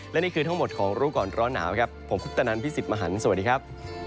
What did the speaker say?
และนี่คือทั้งหมดของรู้ก่อนร้อนหนาวครับผมพุทธนันพี่สิทธิ์มหันฯสวัสดีครับ